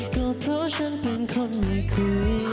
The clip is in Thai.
ก็เพราะฉันเป็นคนคุย